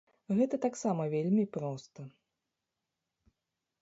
Гэта таксама вельмі проста.